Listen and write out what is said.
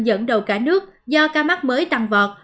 dẫn đầu cả nước do ca mắc mới tăng vọt